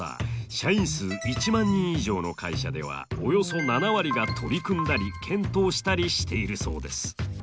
社員数１万人以上の会社ではおよそ７割が取り組んだり検討したりしているそうです。